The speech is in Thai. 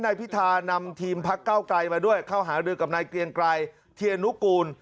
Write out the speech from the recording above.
นายพิธานำทีมพักเก้าไกลมาด้วยเข้าหารือกับนายเกลียงไกรเทียนุกูล